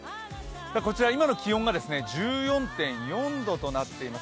こちら今の気温が１４．４度となっています。